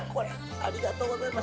ありがとうございます。